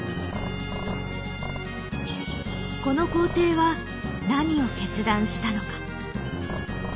この皇帝は何を決断したのか。